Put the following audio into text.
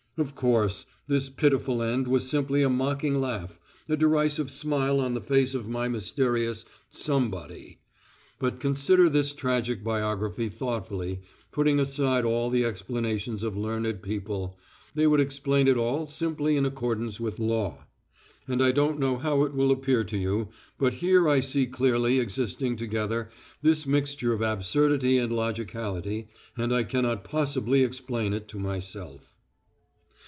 Of course, this pitiful end was simply a mocking laugh, a derisive smile on the face of my mysterious Somebody. But consider this tragic biography thoughtfully, putting aside all the explanations of learned people they would explain it all simply in accordance with law and I don't know how it will appear to you, but here I see clearly existing together this mixture of absurdity and logicality, and I cannot possibly explain it to myself.